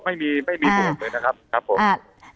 ไม่มีไม่มีบวกเลยนะครับครับผม